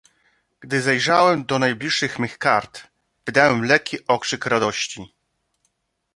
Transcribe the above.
"Gdy zajrzałem do najbliższych mych kart, wydałem lekki okrzyk radości."